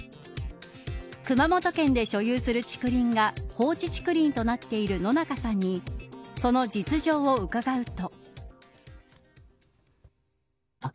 熊本県で所有する竹林が放置竹林となっている野中さんにその実情を伺うと。